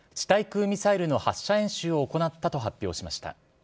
対空ミサイルの発射演習を行ったと発表しました。